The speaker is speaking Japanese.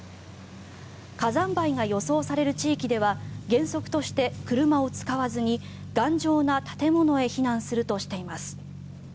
火山灰が予想される地域では原則として車を使わずに頑丈な建物へ避難するとしています。